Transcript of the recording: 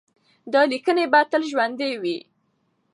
دا لیکنې به تل ژوندۍ وي.